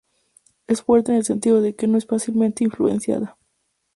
Es fuerte en el sentido de que no es fácilmente influenciada.